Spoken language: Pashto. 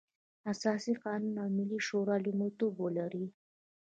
اساسي قانون او ملي شورا لومړيتوب ولري.